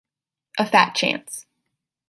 A fat chance!